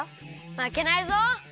まけないぞ！